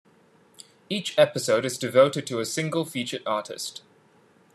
Each episode is devoted to a single featured artist.